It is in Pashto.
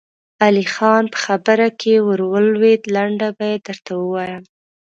علی خان په خبره کې ور ولوېد: لنډه به يې درته ووايم.